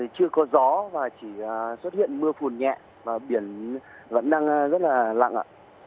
chưa có gió và chỉ xuất hiện mưa phùn nhẹ và biển vẫn đang rất là lặng ạ